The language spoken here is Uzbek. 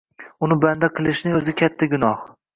Uni banda qilishning o’zi katta gunoh.